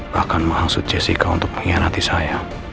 bahkan maksud jessica untuk mengkhianati saya